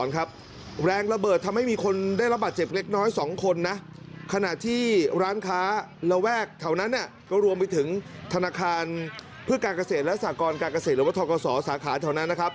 การเกษตรและสากรรณ์การเกษตรหรือว่าทรกศสาขาเท่านั้นนะครับ